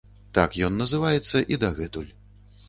Так ён называецца і дагэтуль.